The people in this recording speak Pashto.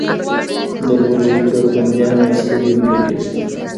د لوږې پر بندیانو یې سترګې نه لګېږي.